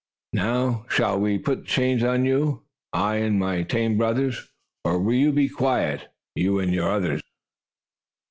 Now shall we put the chains on you I and my tame brothers or will you be quiet you and the others?"